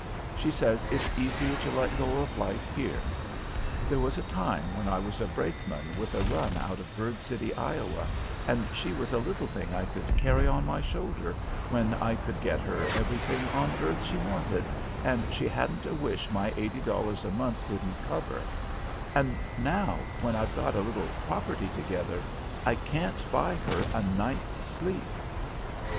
She says it's easier to let go of life here. There was a time when I was a brakeman with a run out of Bird City, Iowa, and she was a little thing I could carry on my shoulder, when I could get her everything on earth she wanted, and she hadn't a wish my $80 a month didn't cover; and now, when I've got a little property together, I can't buy her a night's sleep!"